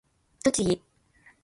栃木